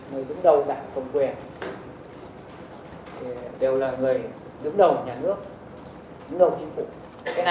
người đứng đầu đảng cầm quyền đều là người đứng đầu nhà nước đứng đầu chính phủ